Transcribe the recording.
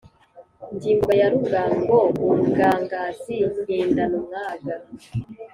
ndi ngoga ya rugango, urugangazi mpindana umwaga.